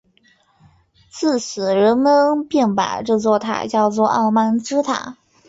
自此人们便把这座塔叫作傲慢之塔。